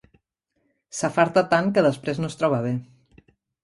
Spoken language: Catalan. S'afarta tant, que després no es troba bé.